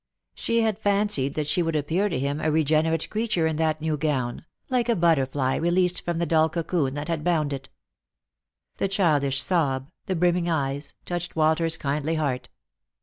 She had fancied that she would appear to him a re generate creature in that new gown, like a butterfly released from the dull cocoon that had bound it. The childish sob, the brimming eyes, touched Walter's kindly heart.